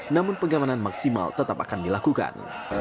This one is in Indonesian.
namun pengamanan maksimal tetap akan dilakukan